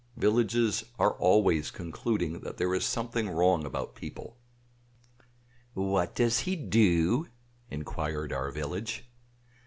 Villages are always concluding there is something wrong about people. "What does he do?" inquired our village.